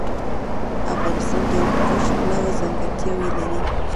افغانستان د هندوکش پلوه ځانګړتیاوې لري.